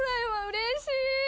うれしい。